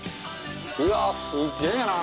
うわっすげえな！